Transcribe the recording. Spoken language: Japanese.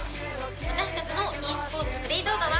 私たちのｅスポーツプレイ動画は。